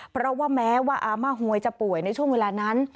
เพราะว่าแม้ว่าอาม่าหวยจะป่วยในช่วงเวลานั้น